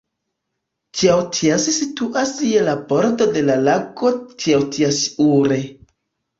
Tjautjas situas je la bordo de la lago Tjautjasjaure.